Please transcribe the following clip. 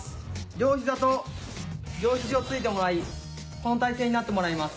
両膝と両肘をついてもらいこの体勢になってもらいます。